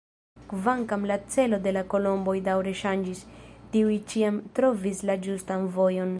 Kvankam la celo de la kolomboj daŭre ŝanĝis, tiuj ĉiam trovis la ĝustan vojon.